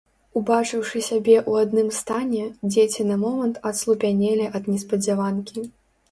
Убачыўшы сябе ў адным стане, дзеці на момант аслупянелі ад неспадзяванкі.